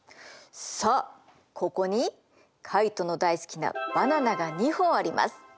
さあここにカイトの大好きなバナナが２本あります。